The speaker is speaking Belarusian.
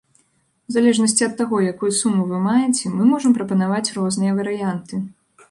У залежнасці ад таго, якую суму вы маеце, мы можам прапанаваць розныя варыянты.